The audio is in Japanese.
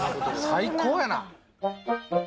最高やな！